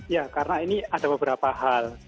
ya karena ini ada beberapa hal